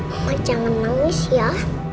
omah jangan nangis ya